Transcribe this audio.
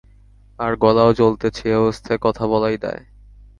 আর গলাও জ্বলতেছে, এ অবস্থায় কথা বলাই দায়।